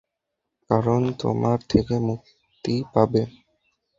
কারণ তোমার থেকে মুক্তি পাবে।